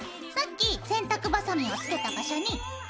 さっき洗濯バサミをつけた場所に。